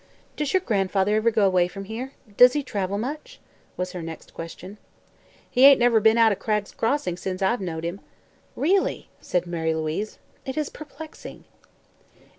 "Does your grandfather ever go away from here? Does he travel much?" was her next question. "He ain't never been out of Cragg's Crossing sence I've knowed him." "Really," said Mary Louise, "it is perplexing."